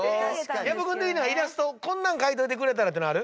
薮君的にはイラストこんなん描いといてくれたらってのある？